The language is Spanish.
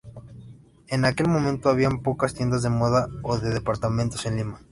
En aquel momento habían pocas tiendas de moda o de departamentos en Lima.